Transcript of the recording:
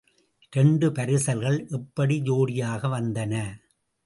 இரண்டு பரிசல்கள் எப்படி ஜோடியாக வந்தன?